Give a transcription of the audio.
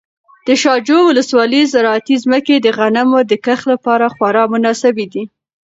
د شاجوی ولسوالۍ زراعتي ځمکې د غنمو د کښت لپاره خورا مناسبې دي.